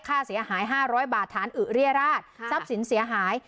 ค่าเสียหาย๕๐๐บาทฐานอึเรียราชทรัพย์สินเสียหาย